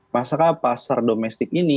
masalahnya pasar domestik ini